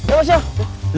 eh malah bolu